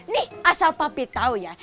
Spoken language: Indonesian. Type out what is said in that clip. nih asal papi tau ya